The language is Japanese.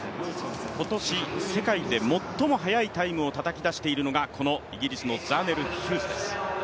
今年世界で最も速いタイムをたたき出しているのが、このイギリスのザーネル・ヒューズです。